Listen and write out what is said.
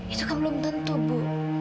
itu kan belum tentu bu